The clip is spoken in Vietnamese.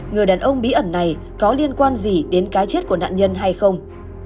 người đàn ông bí ẩn này có liên quan gì đến cái chết của nạn nhân hay không